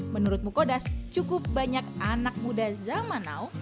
menurut mukodas cukup banyak anak muda zaman now